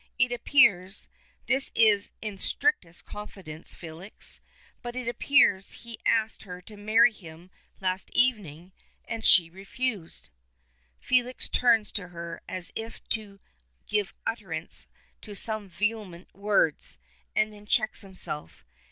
It appears this is in strict confidence, Felix but it appears he asked her to marry him last evening, and she refused." Felix turns to her as if to give utterance to some vehement words, and then checks himself.